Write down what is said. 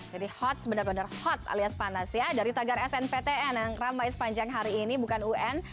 jadi hots benar benar hots alias panas ya dari tagar snptn yang ramai sepanjang hari ini bukan un